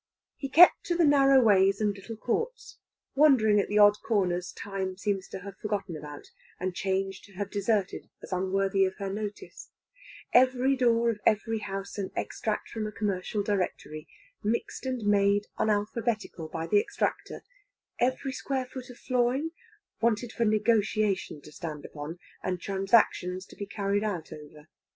He kept to the narrow ways and little courts, wondering at the odd corners Time seems to have forgotten about, and Change to have deserted as unworthy of her notice; every door of every house an extract from a commercial directory, mixed and made unalphabetical by the extractor; every square foot of flooring wanted for Negotiation to stand upon, and Transactions to be carried out over.